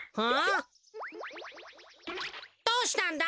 どうしたんだ？